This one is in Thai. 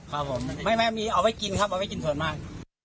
ครับผมไม่มีเอาไว้กินครับเอาไว้กินส่วนมาก